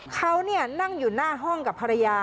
เขานั่งอยู่หน้าห้องกับภรรยา